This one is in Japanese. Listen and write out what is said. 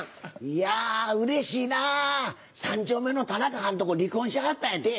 いやうれしいな３丁目のタナカはんとこ離婚しはったんやて。